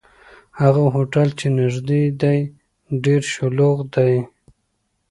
هغه هوټل چې نږدې دی، ډېر شلوغ دی.